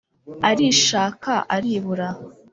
arishaka aribura